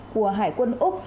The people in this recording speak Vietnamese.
của hải quân úc